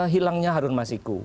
hilangnya harun masiku